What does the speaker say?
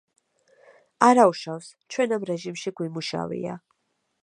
არაუშავს, ჩვენ ამ რეჟიმში გვიმუშავია.